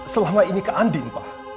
selama ini ke andi pak